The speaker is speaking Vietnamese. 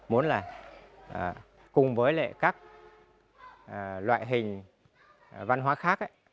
muốn là cùng với các loại hình văn hóa khác